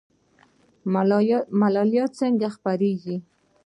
ملاریا څنګه خپریږي؟